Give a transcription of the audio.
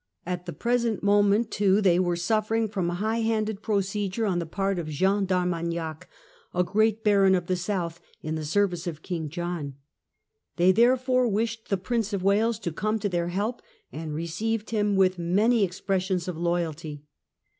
At the present moment too they were suffering from high handed procedure on the part of Jean d'Ar magnac, a great baron of the South in the service of King John. They therefore wished the Prince of Wales to come to their help, and received him with many ex pressions of loyalty.